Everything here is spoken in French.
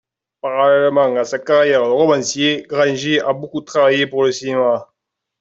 Parallèlement à sa carrière de romancier, Grangé a beaucoup travaillé pour le cinéma.